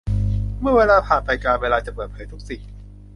เมื่อเวลาผ่านไปกาลเวลาจะเปิดเผยทุกสิ่ง